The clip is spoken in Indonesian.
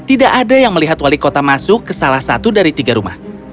tidak ada yang melihat wali kota masuk ke salah satu dari tiga rumah